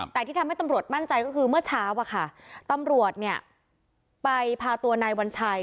แต่ที่ทำให้ตำรวจมั่นใจก็คือเมื่อเช้าอะค่ะตำรวจเนี่ยไปพาตัวนายวัญชัย